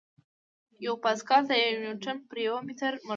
یو پاسکل د یو نیوټن پر یو متر مربع دی.